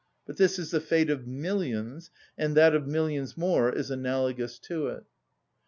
But this is the fate of millions, and that of millions more is analogous to it.